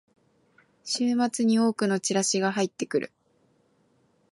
週末に多くのチラシが入ってくる